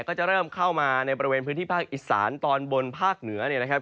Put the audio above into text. ก็จะเริ่มเข้ามาในบริเวณภาคอิสานตอนบนภาคเหนือ